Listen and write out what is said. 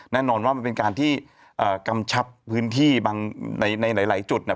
แน่นอนว่ามันเป็นการที่กำชับพื้นที่บางในหลายจุด